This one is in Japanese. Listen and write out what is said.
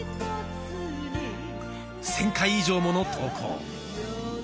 １，０００回以上もの投稿。